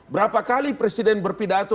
berapa kali presiden berpidato